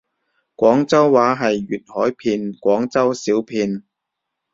廣州話係粵海片廣州小片